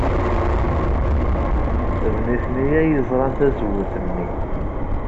D nitni ay yerẓan tazewwut-nni.